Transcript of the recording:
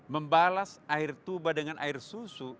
membalas air tuba dengan air susu